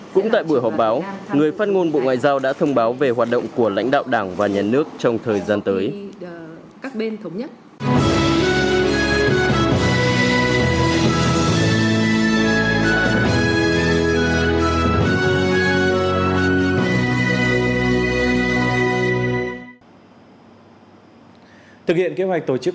cũng tại buổi họp báo người phát ngôn bộ ngoại giao đã thông báo về hoạt động của lãnh đạo đảng và nhà nước trong thời gian tới